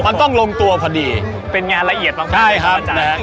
มันต้องลงตัวพอดีเป็นงานละเอียดบางที